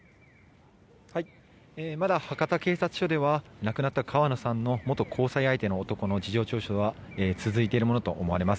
まだ、博多警察署では亡くなった川野さんの元交際相手の男の事情聴取は続いているものと思われます。